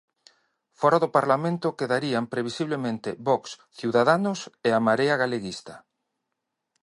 Fóra do Parlamento quedarían previsiblemente Vox, Ciudadanos e a Marea Galeguista.